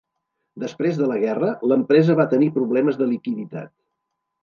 Després de la guerra l'empresa va tenir problemes de liquiditat.